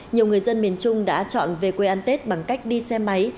nhiều người dân miền trung đã chọn về quê ăn tết bằng cách đi xe máy